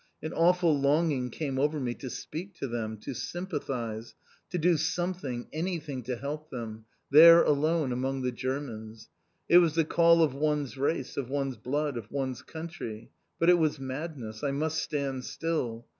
An awful longing came over me to speak to them, to sympathise, to do something, anything to help them, there alone among the Germans. It was the call of one's race, of one's blood, of one's country. But it was madness. I must stand still.